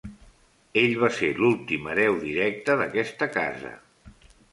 Ell va ser l'últim hereu directe d'aquesta casa.